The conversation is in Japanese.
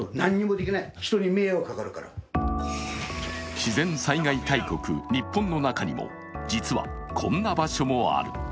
自然災害大国、日本の中にも実は、こんな場所もある。